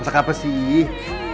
masak apa sih